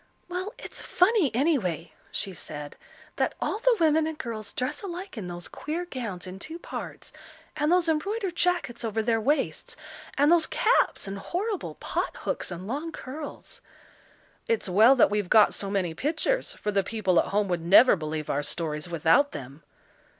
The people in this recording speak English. "Well, it's funny anyway," she said, "that all the women and girls dress alike in those queer gowns in two parts, and those embroidered jackets over their waists, and those caps and horrible pot hooks and long curls." "It's well that we've got so many pictures, for the people at home would never believe our stories without them."